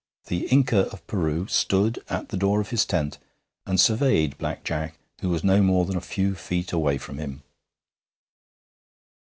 The Inca of Peru stood at the door of his tent and surveyed Black Jack, who was not more than a few feet away from him.